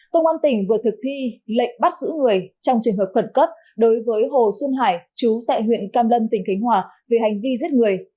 công an tỉnh vừa thực thi lệnh bắt giữ người trong trường hợp khẩn cấp đối với hồ xuân hải chú tại huyện cam lâm tỉnh khánh hòa về hành vi giết người